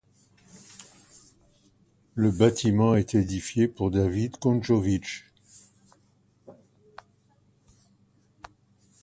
Le bâtiment a été édifié pour David Konjović.